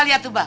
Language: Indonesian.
lihat tuh pak